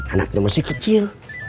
anaknya masih kecil